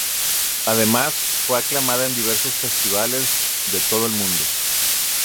Además, fue aclamada en diversos festivales de todo el mundo.